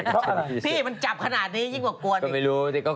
พี่มันจับขนาดนี้ยิ่งรบกวน